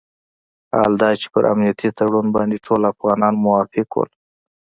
حال دا چې پر امنیتي تړون باندې ټول افغانان موافق وو.